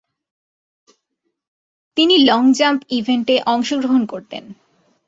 তিনি long jump ইভেন্টে অংশগ্রহণ করতেন।